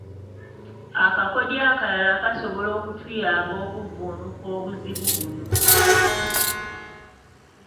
Akakodyo akalala akasobola okutuyamba okuvvuunuka obuzibu buno.